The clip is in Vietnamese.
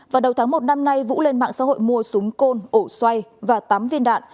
vào đầu tháng một năm nay vũ lên mạng xã hội mua súng côn ổ xoay và tám viên đạn